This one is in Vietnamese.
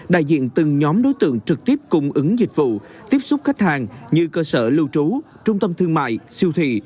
đại diện từng nhóm đối tượng trực tiếp cung ứng dịch vụ tiếp xúc khách hàng như cơ sở lưu trú trung tâm thương mại siêu thị